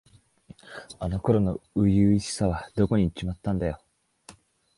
あの頃の初々しさはどこにいっちまったんだよ。